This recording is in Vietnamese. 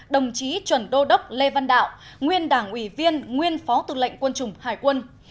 đồng chí chuẩn đô đốc lê văn đạo nguyên đảng ủy viên nguyên phó tư lệnh quân chủng hải quân